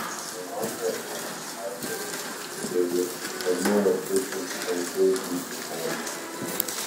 The longer a crop's harvest period, the more efficient plantations become.